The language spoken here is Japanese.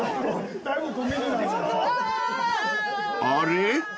［あれ？